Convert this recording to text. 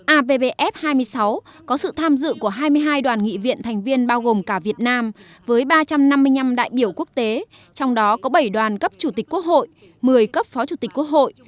appf hai mươi sáu có sự tham dự của hai mươi hai đoàn nghị viện thành viên bao gồm cả việt nam với ba trăm năm mươi năm đại biểu quốc tế trong đó có bảy đoàn cấp chủ tịch quốc hội một mươi cấp phó chủ tịch quốc hội